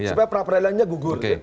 supaya perapredilannya gugur